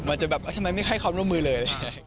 จะแบบทำไมไม่ให้ความร่วมมือเลย